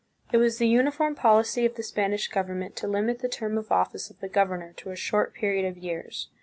It was the uniform policy of the Spanish government to limit the term of office of the governor to a short period of years.